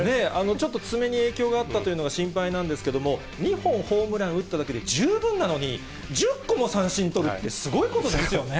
ちょっと爪に影響があったというのが心配なんですけれども、２本ホームラン打っただけで十分なのに、１０個も三振取るって、すごいことですよね。